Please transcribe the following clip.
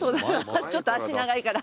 ちょっと脚長いから。